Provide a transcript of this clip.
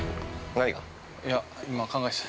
◆何が？